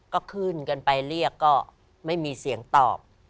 ก็ขึ้นกันไปเรียกก็ไม่มีเสียงตอบ